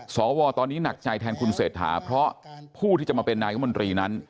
สวตอนนี้หนักใจแทนคุณเศรษฐาเพราะผู้ที่จะมาเป็นนายมนตรีนั้น